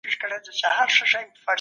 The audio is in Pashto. د بشر ذهن د علمي مرحلې ته ننوځي.